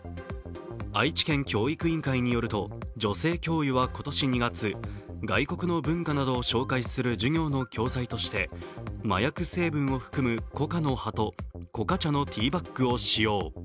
愛知県教育委員会によると、女性教諭は今年２月、外国の文化などを紹介する授業の教材として麻薬成分を含むコカの葉とコカ茶のティーバッグを使用。